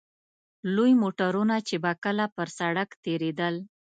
لوی موټرونه چې به کله پر سړک تېرېدل.